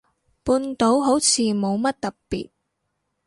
半島好似冇乜特別